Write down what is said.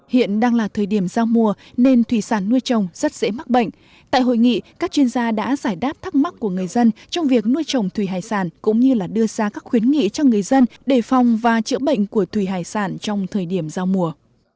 hiện đang là thời điểm giao mùa nên thủy sản nuôi trồng rất dễ mắc bệnh tại hội nghị các chuyên gia đã giải đáp thắc mắc của người dân trong việc nuôi trồng thủy hải sản cũng như đưa ra các khuyến nghị cho người dân đề phòng và chữa bệnh của thủy hải sản trong thời điểm giao mùa